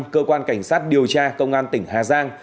cơ quan cảnh sát điều tra công an tỉnh hà giang